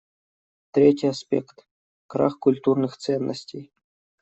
Третий аспект — крах культурных ценностей.